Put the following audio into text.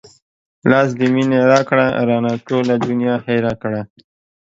لاس د مينې راکړه رانه ټوله دنيا هېره کړه